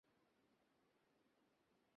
Please, এটা খুব ঝুঁকিপূর্ণ হয়ে যাবে।